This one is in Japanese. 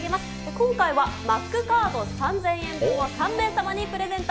今回はマックカード３０００円分を３名様にプレゼント。